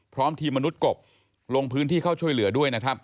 พร้อมทีมมนุษย์กบลงพื้นที่เข้าช่วยเหลือด้วยนะครับ